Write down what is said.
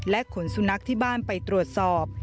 ขนสุนัขที่บ้านไปตรวจสอบ